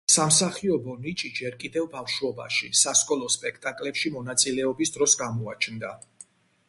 სამსახიობო ნიჭი ჯერ კიდევ ბავშვობაში, სასკოლო სპექტაკლებში მონაწილეობის დროს გამოაჩნდა.